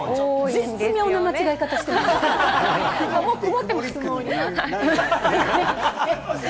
絶妙な間違え方してもうた！